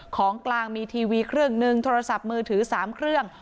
ของกลางมีทีวีเครื่องหนึ่งโทรศัพท์มือถือ๓เครื่อง